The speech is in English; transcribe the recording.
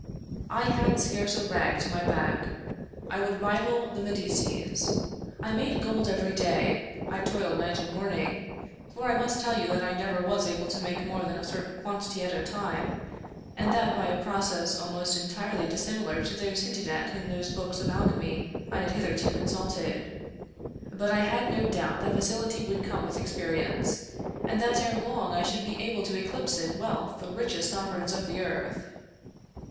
I had scarce a rag , 14 Fitjsjames O'Brien to my back : I would rival the Medicis. I made gold every day. I toiled night and morning ; for I must tell you that I never was able to make more than a certain quantity at a time, and that by a process almost entirely dissimilar to those hinted at in those books of alchemy I had hitherto consulted. But I had no doubt that facility would come with experience, and that ere long I should be able to eclipse in wealth the richest sovereigns of the earth.